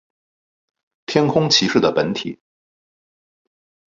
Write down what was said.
天空骑士的本体。